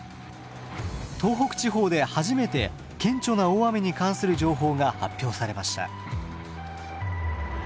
東北地方で初めて顕著な大雨に関する情報が発表されました。